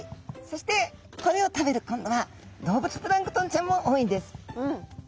そしてこれを食べる今度は動物プランクトンちゃんも多いんです。